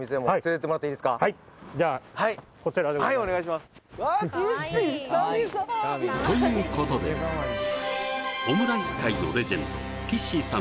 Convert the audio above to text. きっしい久々！ということでオムライス界のレジェンドきっしいさん